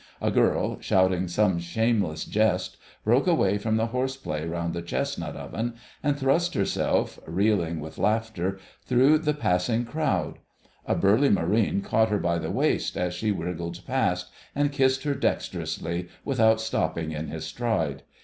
A girl, shouting some shameless jest, broke away from the horse play round the chestnut oven, and thrust herself, reeling with laughter, through the passing crowd. A burly Marine caught her by the waist as she wriggled past, and kissed her dexterously without stopping in his stride.